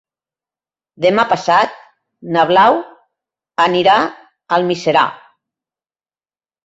Demà passat na Blau anirà a Almiserà.